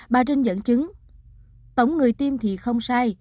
bà trưng dẫn chứng tổng người tiêm thì không sai